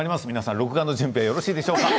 録画の準備はいいでしょうか。